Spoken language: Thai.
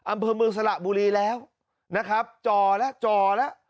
อำเภอเมืองสระบุรีแล้วนะครับจ่อแล้วจ่อแล้ว